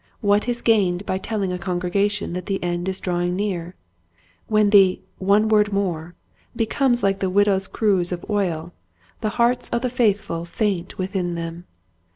What is gained by telling a congregation that the end is drawing near ? When the " one word more " becomes like the widow's cruse of oil, the hearts of the faithful faint within them.